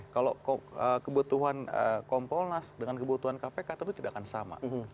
kalau kebutuhan kompolnas dengan kebutuhan kpk tentu tidak akan sama